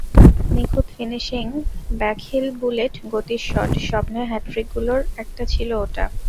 নিখুঁত finishing, backheel, bullet গতির shot, স্বপ্নের হ্যাটট্রিকগুলোর একটা ছিল ওটা।